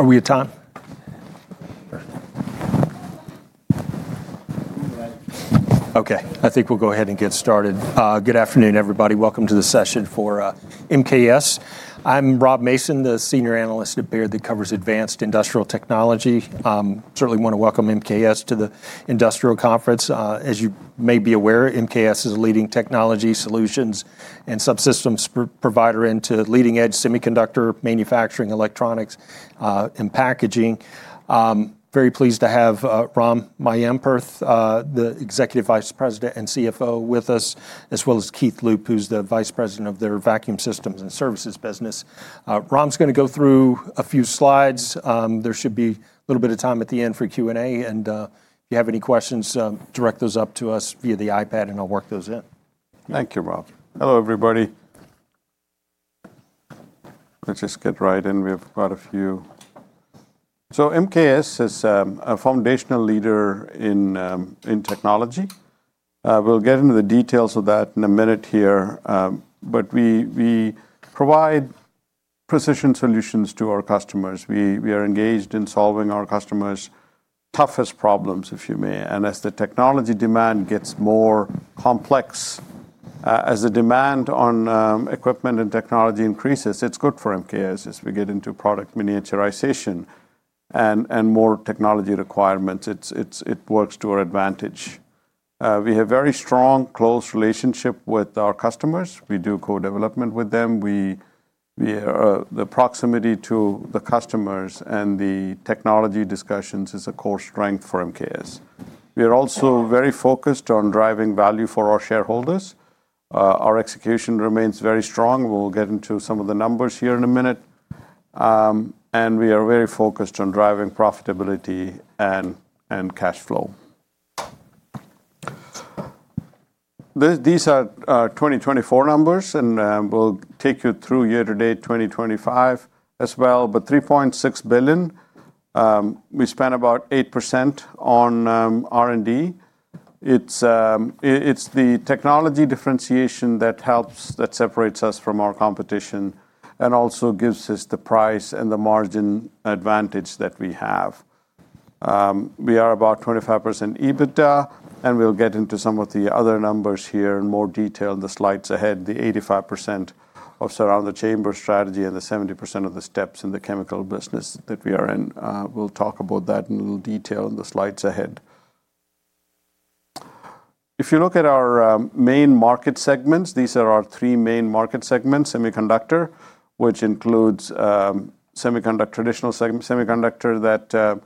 Are we at time? Okay, I think we'll go ahead and get started. Good afternoon, everybody. Welcome to the session for MKS. I'm Rob Mason, the Senior Analyst at Baird that covers advanced industrial technology. Certainly want to welcome MKS to the Industrial Conference. As you may be aware, MKS is a leading technology solutions and subsystems provider into leading-edge semiconductor manufacturing, electronics, and packaging. Very pleased to have Ram Mayampurath, the Executive Vice President and CFO, with us, as well as Keith Loop, who's the Vice President of their Vacuum Systems and Services business. Ram's going to go through a few slides. There should be a little bit of time at the end for Q&A, and if you have any questions, direct those up to us via the iPad, and I'll work those in. Thank you, Rob. Hello, everybody. Let's just get right in. We have quite a few. MKS is a foundational leader in technology. We'll get into the details of that in a minute here, but we provide precision solutions to our customers. We are engaged in solving our customers' toughest problems, if you may. As the technology demand gets more complex, as the demand on equipment and technology increases, it's good for MKS as we get into product miniaturization and more technology requirements. It works to our advantage. We have a very strong, close relationship with our customers. We do co-development with them. The proximity to the customers and the technology discussions is a core strength for MKS. We are also very focused on driving value for our shareholders. Our execution remains very strong. We'll get into some of the numbers here in a minute. We are very focused on driving profitability and cash flow. These are 2024 numbers, and we'll take you through year to date 2025 as well. $3.6 billion, we spent about 8% on R&D. It's the technology differentiation that helps, that separates us from our competition and also gives us the price and the margin advantage that we have. We are about 25% EBITDA, and we'll get into some of the other numbers here in more detail in the slides ahead. The 85% of surround the chamber strategy and the 70% of the steps in the chemical business that we are in. We'll talk about that in a little detail in the slides ahead. If you look at our main market segments, these are our three main market segments: semiconductor, which includes semiconductor, traditional semiconductor that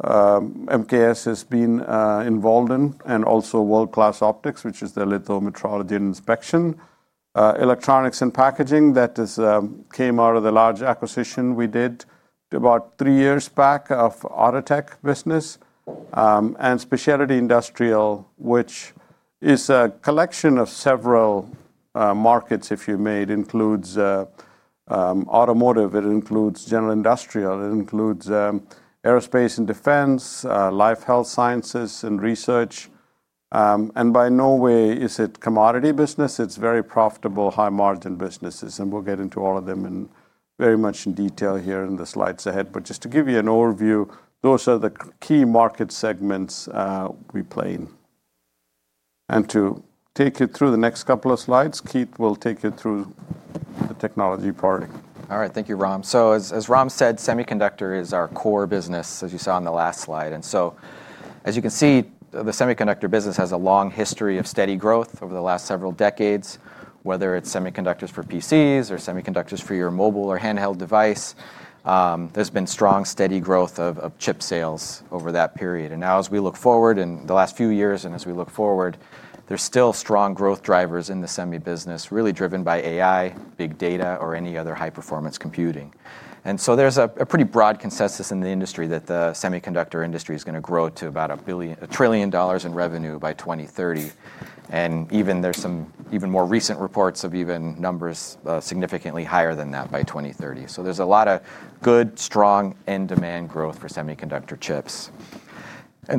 MKS has been involved in, and also world-class optics, which is the lithometrology and inspection. Electronics and packaging, that came out of the large acquisition we did about three years back of Atotech business. And specialty industrial, which is a collection of several markets, if you may, includes automotive. It includes general industrial. It includes aerospace and defense, life health sciences and research. By no way is it commodity business. It is very profitable, high-margin businesses. We will get into all of them in very much detail here in the slides ahead. Just to give you an overview, those are the key market segments we play in. To take you through the next couple of slides, Keith will take you through the technology part. All right, thank you, Ram. As Ram said, semiconductor is our core business, as you saw on the last slide. As you can see, the semiconductor business has a long history of steady growth over the last several decades, whether it's semiconductors for PCs or semiconductors for your mobile or handheld device. There's been strong, steady growth of chip sales over that period. Now as we look forward in the last few years, and as we look forward, there's still strong growth drivers in the semi business, really driven by AI, big data, or any other high-performance computing. There's a pretty broad consensus in the industry that the semiconductor industry is going to grow to about a trillion dollars in revenue by 2030. There are even some more recent reports of even numbers significantly higher than that by 2030. There is a lot of good, strong end demand growth for semiconductor chips.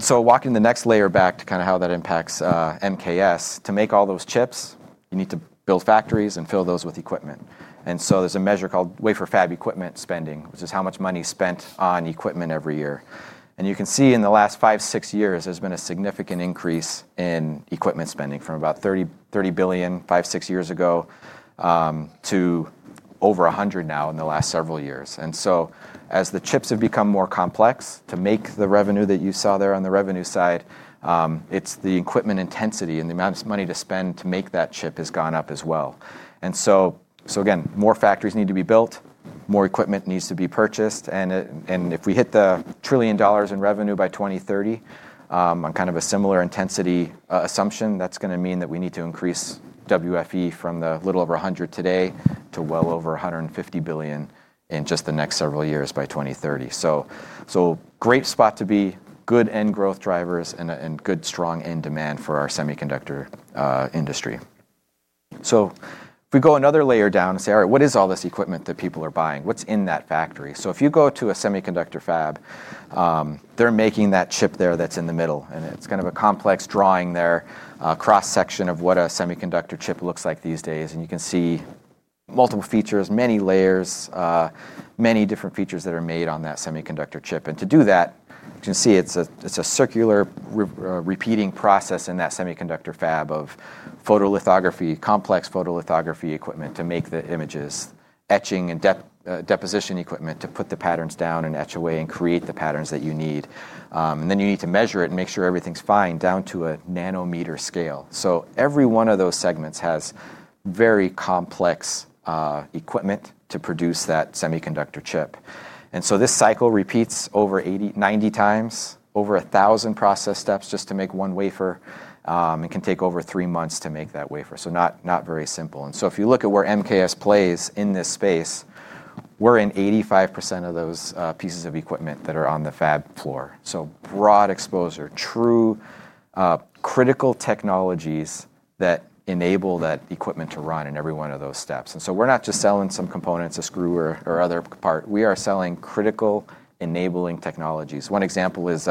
Walking the next layer back to kind of how that impacts MKS, to make all those chips, you need to build factories and fill those with equipment. There is a measure called wafer fab equipment spending, which is how much money is spent on equipment every year. You can see in the last five or six years, there has been a significant increase in equipment spending from about $30 billion five or six years ago to over $100 billion now in the last several years. As the chips have become more complex to make, the revenue that you saw there on the revenue side, it is the equipment intensity and the amount of money to spend to make that chip that has gone up as well. Again, more factories need to be built, more equipment needs to be purchased. If we hit the trillion dollars in revenue by 2030 on kind of a similar intensity assumption, that is going to mean that we need to increase WFE from a little over $100 billion today to well over $150 billion in just the next several years by 2030. Great spot to be, good end growth drivers and good, strong end demand for our semiconductor industry. If we go another layer down and say, all right, what is all this equipment that people are buying? What is in that factory? If you go to a semiconductor fab, they are making that chip there that is in the middle. It is kind of a complex drawing there, cross-section of what a semiconductor chip looks like these days. You can see multiple features, many layers, many different features that are made on that semiconductor chip. To do that, you can see it's a circular repeating process in that semiconductor fab of photolithography, complex photolithography equipment to make the images, etching and deposition equipment to put the patterns down and etch away and create the patterns that you need. You need to measure it and make sure everything's fine down to a nanometer scale. Every one of those segments has very complex equipment to produce that semiconductor chip. This cycle repeats over 80, 90 times, over 1,000 process steps just to make one wafer. It can take over three months to make that wafer. Not very simple. If you look at where MKS plays in this space, we're in 85% of those pieces of equipment that are on the fab floor. Broad exposure, true critical technologies that enable that equipment to run in every one of those steps. We're not just selling some components, a screw or other part. We are selling critical enabling technologies. One example is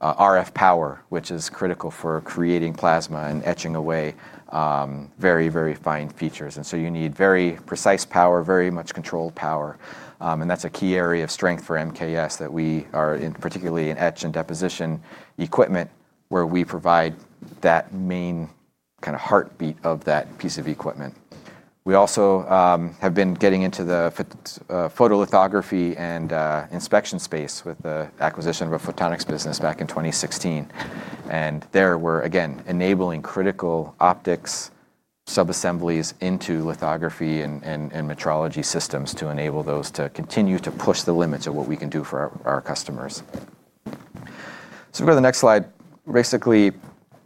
RF power, which is critical for creating plasma and etching away very, very fine features. You need very precise power, very much controlled power. That's a key area of strength for MKS that we are in, particularly in etch and deposition equipment, where we provide that main kind of heartbeat of that piece of equipment. We also have been getting into the photolithography and inspection space with the acquisition of a photonics business back in 2016. There we are, again, enabling critical optics subassemblies into lithography and metrology systems to enable those to continue to push the limits of what we can do for our customers. We will go to the next slide. Basically,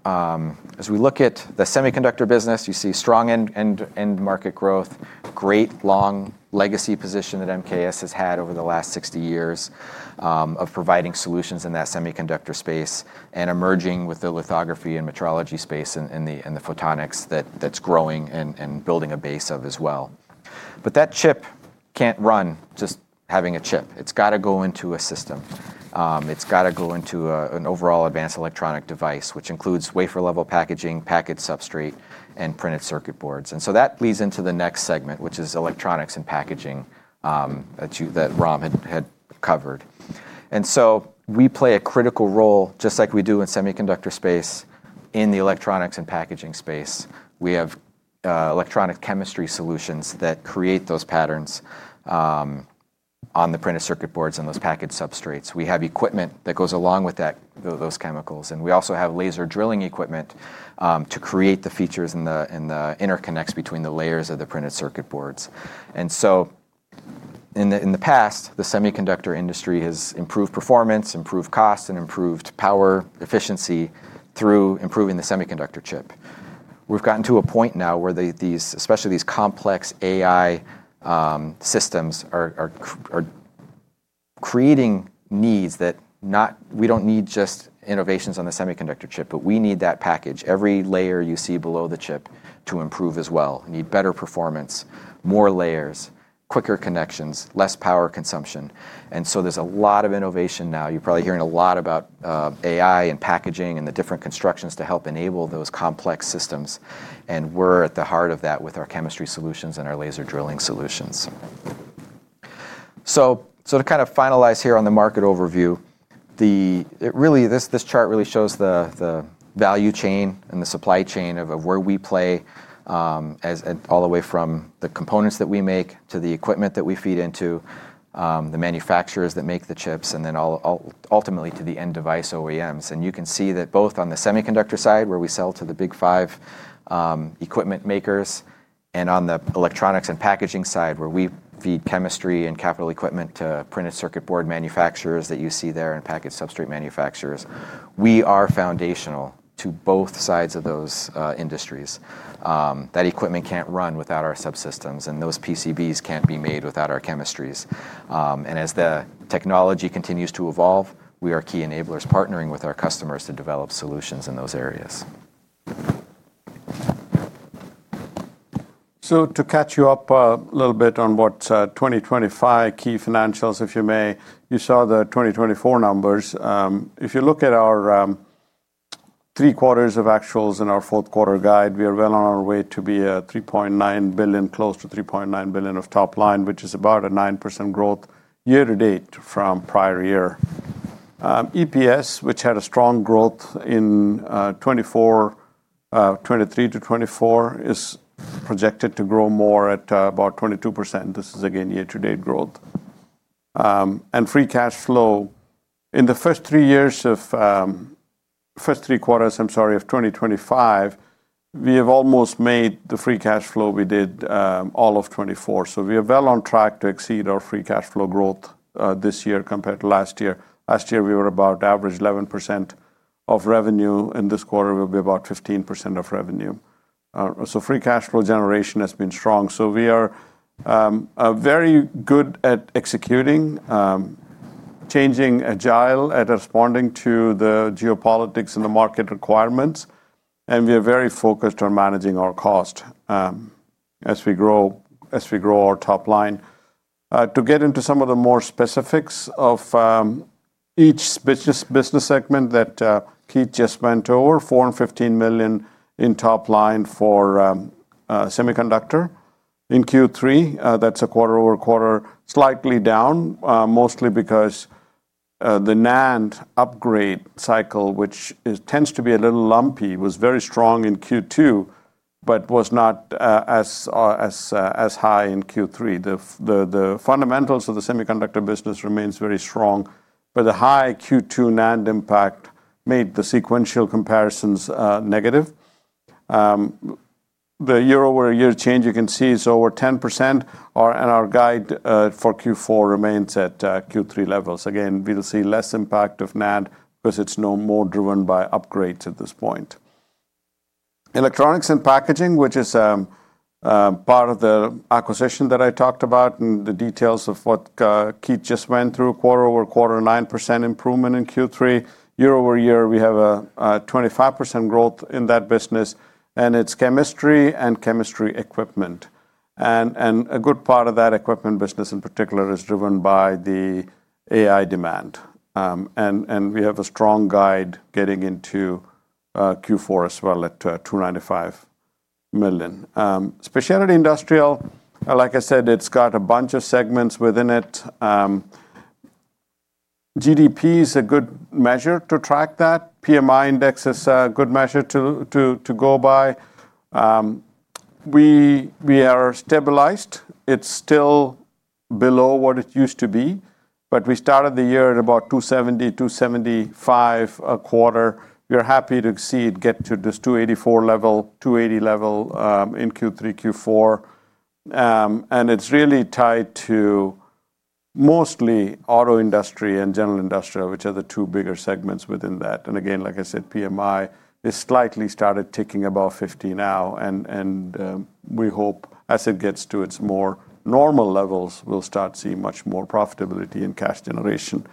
as we look at the semiconductor business, you see strong end market growth, great long legacy position that MKS has had over the last 60 years of providing solutions in that semiconductor space and emerging with the lithography and metrology space and the photonics that is growing and building a base of as well. That chip cannot run just having a chip. It has got to go into a system. It has got to go into an overall advanced electronic device, which includes wafer level packaging, package substrate, and printed circuit boards. That leads into the next segment, which is electronics and packaging that Ram had covered. We play a critical role, just like we do in semiconductor space, in the electronics and packaging space. We have electronic chemistry solutions that create those patterns on the printed circuit boards and those package substrates. We have equipment that goes along with those chemicals. We also have laser drilling equipment to create the features and the interconnects between the layers of the printed circuit boards. In the past, the semiconductor industry has improved performance, improved costs, and improved power efficiency through improving the semiconductor chip. We've gotten to a point now where these, especially these complex AI systems, are creating needs that we do not need just innovations on the semiconductor chip, but we need that package. Every layer you see below the chip to improve as well. Need better performance, more layers, quicker connections, less power consumption. There is a lot of innovation now. You're probably hearing a lot about AI and packaging and the different constructions to help enable those complex systems. We're at the heart of that with our chemistry solutions and our laser drilling solutions. To kind of finalize here on the market overview, this chart really shows the value chain and the supply chain of where we play, all the way from the components that we make to the equipment that we feed into, the manufacturers that make the chips, and then ultimately to the end device OEMs. You can see that both on the semiconductor side, where we sell to the big five equipment makers, and on the electronics and packaging side, where we feed chemistry and capital equipment to printed circuit board manufacturers that you see there and package substrate manufacturers, we are foundational to both sides of those industries. That equipment cannot run without our subsystems, and those PCBs cannot be made without our chemistries. As the technology continues to evolve, we are key enablers partnering with our customers to develop solutions in those areas. To catch you up a little bit on what's 2025 key financials, if you may, you saw the 2024 numbers. If you look at our three quarters of actuals and our fourth quarter guide, we are well on our way to be $3.9 billion, close to $3.9 billion of top line, which is about a 9% growth year to date from prior year. EPS, which had a strong growth in 2023 to 2024, is projected to grow more at about 22%. This is, again, year to date growth. Free cash flow, in the first three quarters of 2025, we have almost made the free cash flow we did all of 2024. We are well on track to exceed our free cash flow growth this year compared to last year. Last year, we were about average 11% of revenue. In this quarter, we'll be about 15% of revenue. Free cash flow generation has been strong. We are very good at executing, changing, agile at responding to the geopolitics and the market requirements. We are very focused on managing our cost as we grow our top line. To get into some of the more specifics of each business segment that Keith just went over, $415 million in top line for semiconductor in Q3. That is quarter-over-quarter, slightly down, mostly because the NAND upgrade cycle, which tends to be a little lumpy, was very strong in Q2, but was not as high in Q3. The fundamentals of the semiconductor business remain very strong, but the high Q2 NAND impact made the sequential comparisons negative. The year-over-year change, you can see is over 10%, and our guide for Q4 remains at Q3 levels. Again, we'll see less impact of NAND because it's no more driven by upgrades at this point. Electronics and packaging, which is part of the acquisition that I talked about and the details of what Keith just went through, quarter- over-quarter, 9% improvement in Q3. Year-over-year, we have a 25% growth in that business, and it's chemistry and chemistry equipment. And a good part of that equipment business in particular is driven by the AI demand. We have a strong guide getting into Q4 as well at $295 million. Specialty industrial, like I said, it's got a bunch of segments within it. GDP is a good measure to track that. PMI index is a good measure to go by. We are stabilized. It's still below what it used to be, but we started the year at about $270 million-$275 million a quarter. We are happy to exceed, get to this 284 level, 280 level in Q3, Q4. It is really tied to mostly auto industry and general industrial, which are the two bigger segments within that. Again, like I said, PMI has slightly started ticking above 50 now. We hope as it gets to its more normal levels, we will start seeing much more profitability in cash generation.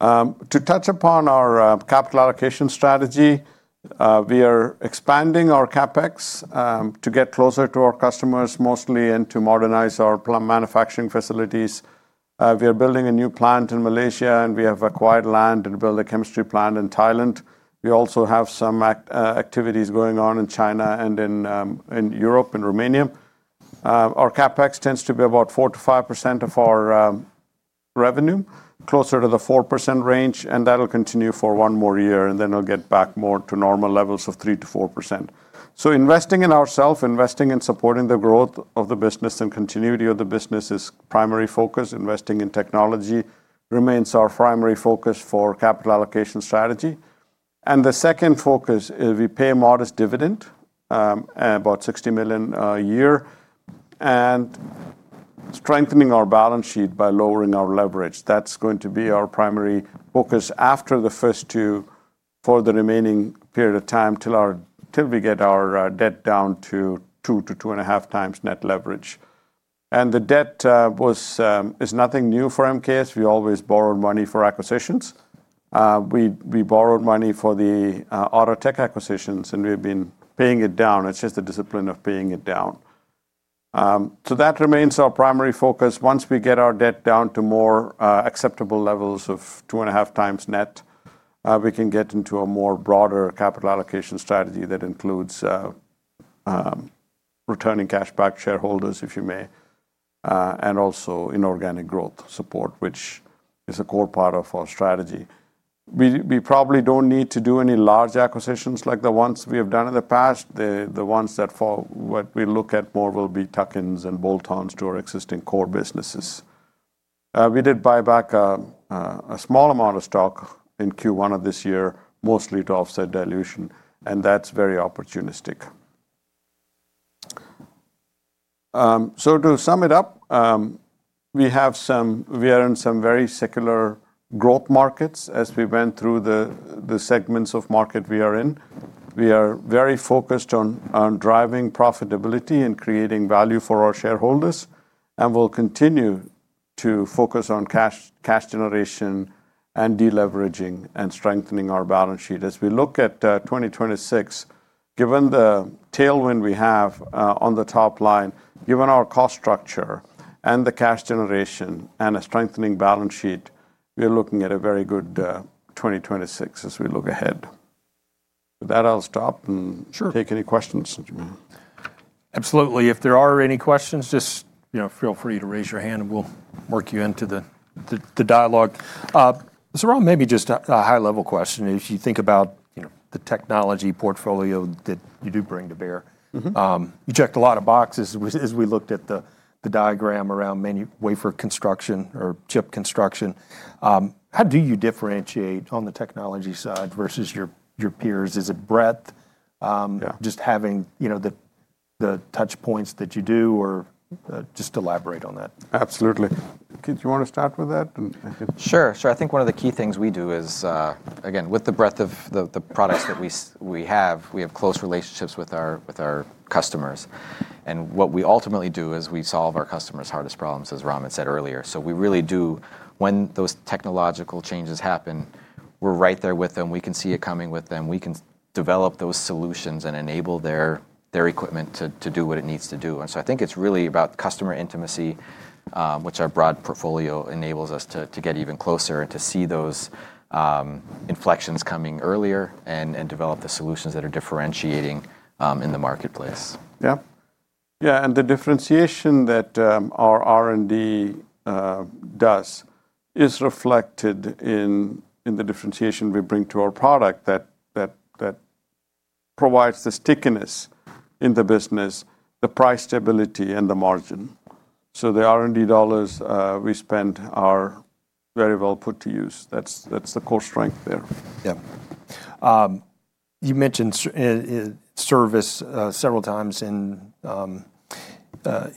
To touch upon our capital allocation strategy, we are expanding our CapEx to get closer to our customers, mostly and to modernize our manufacturing facilities. We are building a new plant in Malaysia, and we have acquired land and built a chemistry plant in Thailand. We also have some activities going on in China and in Europe and Romania. Our CapEx tends to be about 4%-5% of our revenue, closer to the 4% range, and that'll continue for one more year, and then it'll get back more to normal levels of 3%-4%. Investing in ourself, investing in supporting the growth of the business and continuity of the business is primary focus. Investing in technology remains our primary focus for capital allocation strategy. The second focus is we pay a modest dividend, about $60 million a year, and strengthening our balance sheet by lowering our leverage. That's going to be our primary focus after the first two for the remaining period of time till we get our debt down to 2x-2.5x net leverage. The debt is nothing new for MKS. We always borrowed money for acquisitions. We borrowed money for the Atotech acquisitions, and we've been paying it down. It's just the discipline of paying it down. That remains our primary focus. Once we get our debt down to more acceptable levels of 2.5x net, we can get into a more broader capital allocation strategy that includes returning cash back to shareholders, if you may, and also inorganic growth support, which is a core part of our strategy. We probably do not need to do any large acquisitions like the ones we have done in the past. The ones that we look at more will be tuck-ins and bolt-ons to our existing core businesses. We did buy back a small amount of stock in Q1 of this year, mostly to offset dilution, and that is very opportunistic. To sum it up, we are in some very secular growth markets as we went through the segments of market we are in. We are very focused on driving profitability and creating value for our shareholders, and we will continue to focus on cash generation and deleveraging and strengthening our balance sheet. As we look at 2026, given the tailwind we have on the top line, given our cost structure and the cash generation and a strengthening balance sheet, we are looking at a very good 2026 as we look ahead. With that, I will stop and take any questions. Absolutely. If there are any questions, just feel free to raise your hand, and we'll work you into the dialogue. Ram, maybe just a high-level question. As you think about the technology portfolio that you do bring to bear, you checked a lot of boxes as we looked at the diagram around wafer construction or chip construction. How do you differentiate on the technology side versus your peers? Is it breadth, just having the touch points that you do, or just elaborate on that? Absolutely. Keith, do you want to start with that? Sure. I think one of the key things we do is, again, with the breadth of the products that we have, we have close relationships with our customers. What we ultimately do is we solve our customers' hardest problems, as Ram had said earlier. We really do, when those technological changes happen, we are right there with them. We can see it coming with them. We can develop those solutions and enable their equipment to do what it needs to do. I think it is really about customer intimacy, which our broad portfolio enables us to get even closer and to see those inflections coming earlier and develop the solutions that are differentiating in the marketplace. Yeah. Yeah. The differentiation that our R&D does is reflected in the differentiation we bring to our product that provides the stickiness in the business, the price stability, and the margin. The R&D dollars we spend are very well put to use. That's the core strength there. Yeah. You mentioned service several times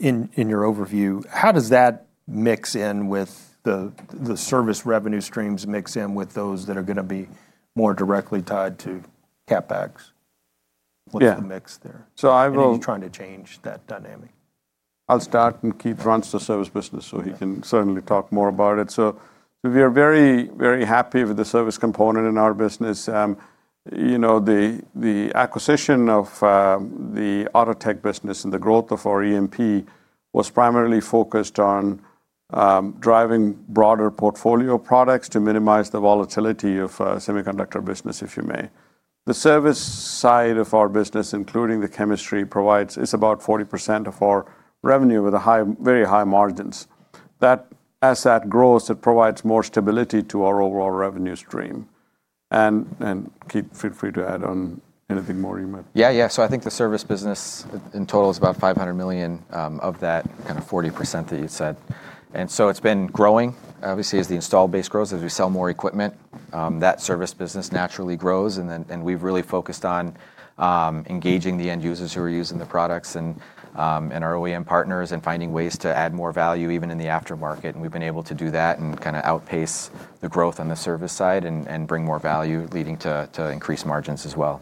in your overview. How does that mix in with the service revenue streams mix in with those that are going to be more directly tied to CapEx? What's the mix there? Who's trying to change that dynamic? I'll start, and Keith runs the service business, so he can certainly talk more about it. We are very, very happy with the service component in our business. The acquisition of the Atotech business and the growth of our EMP was primarily focused on driving broader portfolio products to minimize the volatility of semiconductor business, if you may. The service side of our business, including the chemistry, is about 40% of our revenue with very high margins. As that grows, it provides more stability to our overall revenue stream. Keith, feel free to add on anything more you may. Yeah, yeah. I think the service business in total is about $500 million of that kind of 40% that you said. It has been growing. Obviously, as the install base grows, as we sell more equipment, that service business naturally grows. We have really focused on engaging the end users who are using the products and our OEM partners and finding ways to add more value even in the aftermarket. We have been able to do that and kind of outpace the growth on the service side and bring more value, leading to increased margins as well.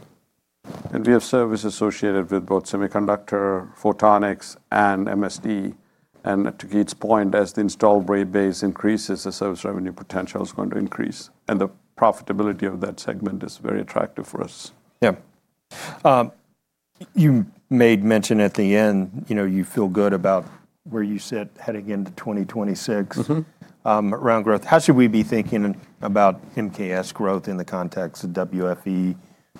We have service associated with both semiconductor, photonics, and MSD. To Keith's point, as the install rate base increases, the service revenue potential is going to increase. The profitability of that segment is very attractive for us. Yeah. You made mention at the end, you feel good about where you sit heading into 2026 around growth. How should we be thinking about MKS growth in the context of WFE,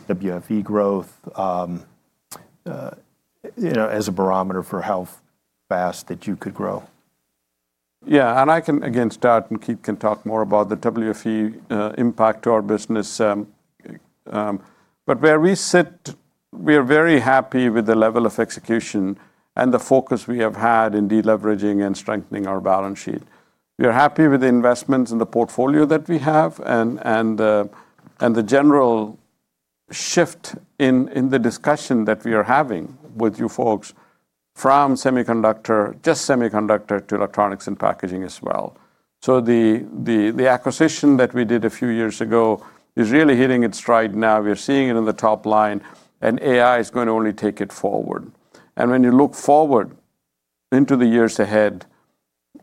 WFE growth as a barometer for how fast that you could grow? Yeah. I can, again, start, and Keith can talk more about the WFE impact to our business. Where we sit, we are very happy with the level of execution and the focus we have had in deleveraging and strengthening our balance sheet. We are happy with the investments in the portfolio that we have and the general shift in the discussion that we are having with you folks from just semiconductor to electronics and packaging as well. The acquisition that we did a few years ago is really hitting its stride now. We are seeing it in the top line, and AI is going to only take it forward. When you look forward into the years ahead,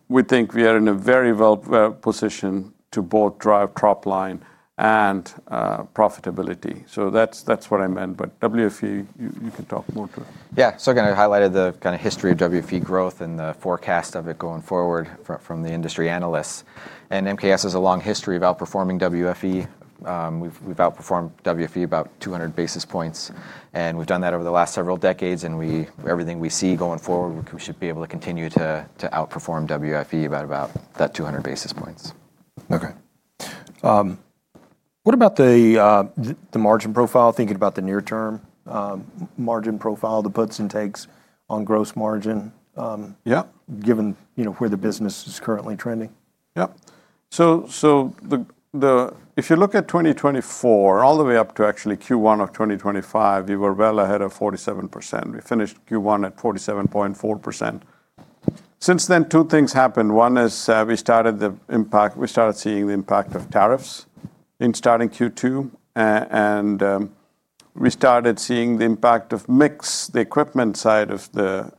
we think we are in a very well position to both drive top line and profitability. That is what I meant. WFE, you can talk more to it. Yeah. Again, I highlighted the kind of history of WFE growth and the forecast of it going forward from the industry analysts. MKS has a long history of outperforming WFE. We've outperformed WFE about 200 basis points. We've done that over the last several decades. Everything we see going forward, we should be able to continue to outperform WFE by about that 200 basis points. Okay. What about the margin profile, thinking about the near-term margin profile, the puts and takes on gross margin given where the business is currently trending? Yeah. So if you look at 2024, all the way up to actually Q1 of 2025, we were well ahead of 47%. We finished Q1 at 47.4%. Since then, two things happened. One is we started seeing the impact of tariffs starting Q2. And we started seeing the impact of mix, the equipment side of the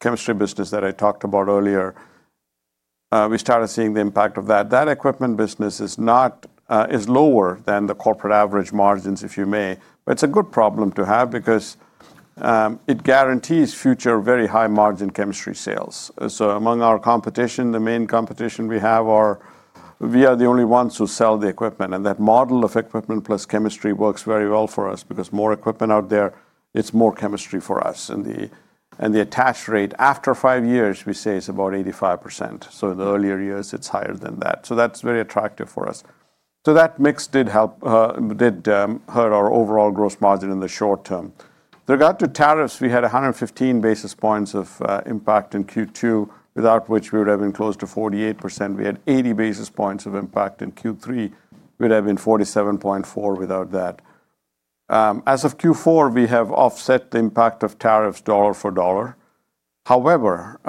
chemistry business that I talked about earlier. We started seeing the impact of that. That equipment business is lower than the corporate average margins, if you may. But it's a good problem to have because it guarantees future very high margin chemistry sales. Among our competition, the main competition we have are. We are the only ones who sell the equipment. That model of equipment plus chemistry works very well for us because more equipment out there, it's more chemistry for us. The attach rate after five years, we say, is about 85%. In the earlier years, it is higher than that. That is very attractive for us. That mix did hurt our overall gross margin in the short term. Regarding tariffs, we had 115 basis points of impact in Q2, without which we would have been close to 48%. We had 80 basis points of impact in Q3. We would have been 47.4% without that. As of Q4, we have offset the impact of tariffs dollar for dollar. However,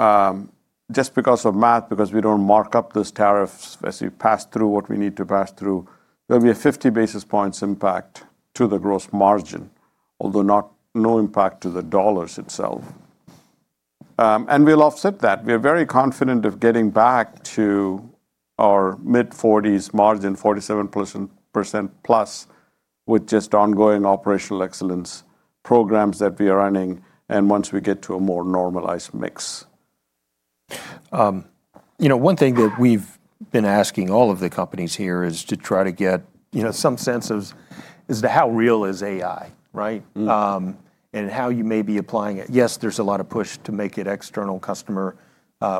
just because of math, because we do not mark up those tariffs as we pass through what we need to pass through, there will be a 50 basis points impact to the gross margin, although no impact to the dollars itself. We will offset that. We are very confident of getting back to our mid-40s margin, 47%+, with just ongoing operational excellence programs that we are running and once we get to a more normalized mix. One thing that we've been asking all of the companies here is to try to get some sense of as to how real is AI, right, and how you may be applying it. Yes, there's a lot of push to make it external customer,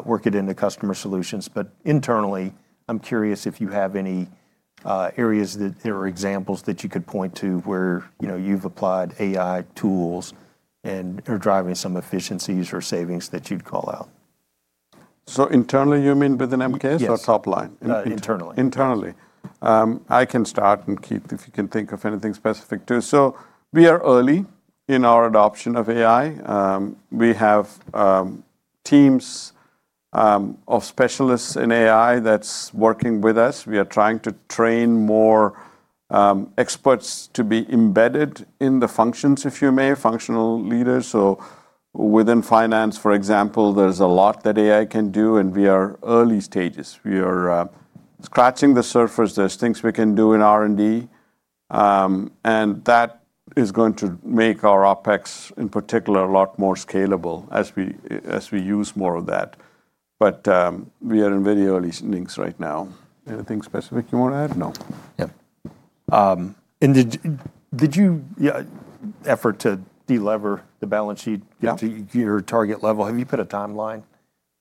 work it into customer solutions. Internally, I'm curious if you have any areas or examples that you could point to where you've applied AI tools and are driving some efficiencies or savings that you'd call out. So internally, you mean within MKS or top line? Internally. Internally. I can start and Keith, if you can think of anything specific too. We are early in our adoption of AI. We have teams of specialists in AI that's working with us. We are trying to train more experts to be embedded in the functions, if you may, functional leaders. Within finance, for example, there's a lot that AI can do, and we are early stages. We are scratching the surface. There's things we can do in R&D. That is going to make our OpEx, in particular, a lot more scalable as we use more of that. We are in very early innings right now. Anything specific you want to add? No. Yeah. Did you effort to delever the balance sheet to your target level? Have you put a timeline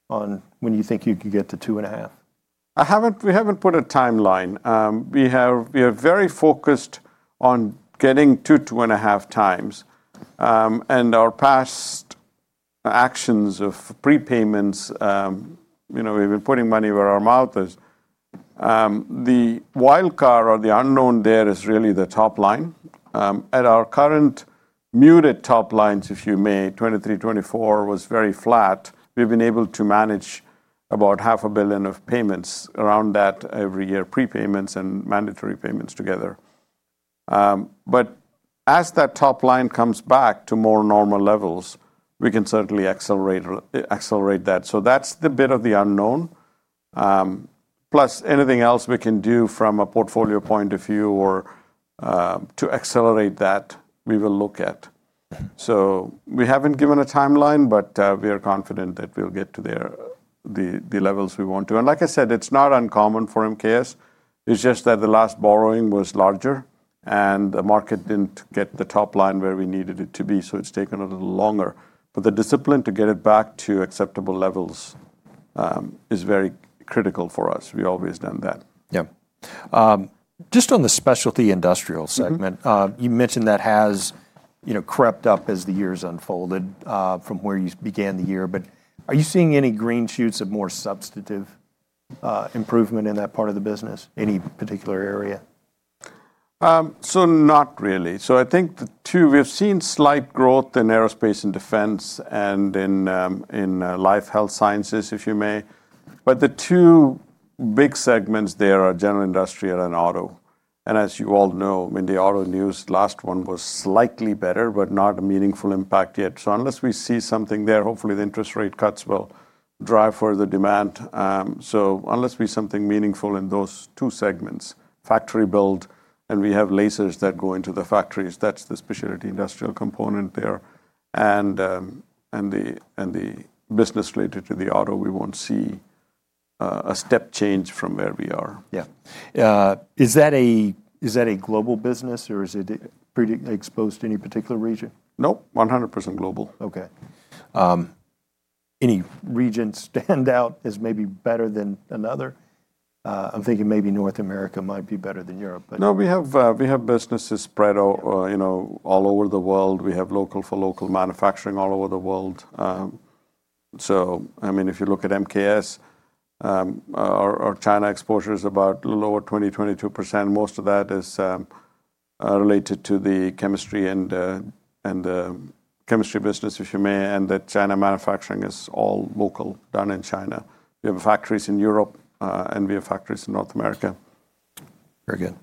on when you think you could get to 2.5? We haven't put a timeline. We are very focused on getting to 2.5x. And our past actions of prepayments, we've been putting money where our mouth is. The wild card or the unknown there is really the top line. At our current muted top lines, if you may, 2023, 2024 was very flat. We've been able to manage about $500 million of payments around that every year, prepayments and mandatory payments together. But as that top line comes back to more normal levels, we can certainly accelerate that. So that's the bit of the unknown. Plus anything else we can do from a portfolio point of view or to accelerate that, we will look at. So we haven't given a timeline, but we are confident that we'll get to the levels we want to. And like I said, it's not uncommon for MKS. It's just that the last borrowing was larger, and the market didn't get the top line where we needed it to be. It has taken a little longer. The discipline to get it back to acceptable levels is very critical for us. We've always done that. Yeah. Just on the specialty industrial segment, you mentioned that has crept up as the years unfolded from where you began the year. Are you seeing any green shoots of more substantive improvement in that part of the business, any particular area? Not really. I think the two, we've seen slight growth in aerospace and defense and in life health sciences, if you may. The two big segments there are general industrial and auto. As you all know, in the auto news, the last one was slightly better, but not a meaningful impact yet. Unless we see something there, hopefully the interest rate cuts will drive further demand. Unless we see something meaningful in those two segments, factory build, and we have lasers that go into the factories, that's the specialty industrial component there. The business related to the auto, we won't see a step change from where we are. Yeah. Is that a global business, or is it exposed to any particular region? Nope, 100% global. Okay. Any region stand out as maybe better than another? I'm thinking maybe North America might be better than Europe, but. No, we have businesses spread all over the world. We have local for local manufacturing all over the world. I mean, if you look at MKS, our China exposure is about lower 20%, 22%. Most of that is related to the chemistry and chemistry business, if you may. The China manufacturing is all local, done in China. We have factories in Europe, and we have factories in North America. Very good.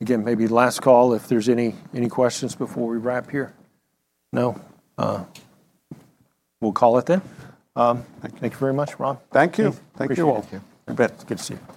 Again, maybe last call, if there's any questions before we wrap here. No? We'll call it then. Thank you very much, Ram. Thank you. Thank you all. Appreciate it. Good to see you.